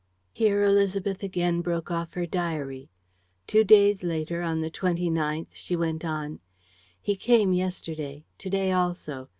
Here Élisabeth again broke off her diary. Two days later, on the 29th, she went on: "He came yesterday. To day also.